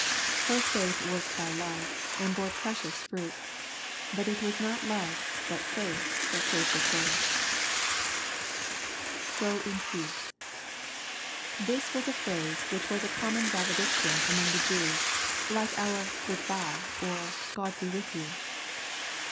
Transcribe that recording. Her faith worked by love, and bore precious fruit. But it was not love but fai£k that saved her soul \Qoin peace."] This was a phrase which was a common vale diction among the Jews, like our " goodbye" or "Gk)d be with you."